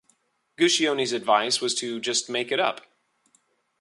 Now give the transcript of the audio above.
Guccione's advice was to 'just make it up.